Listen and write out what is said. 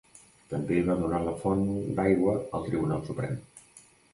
També va donar la font d'aigua al Tribunal Suprem.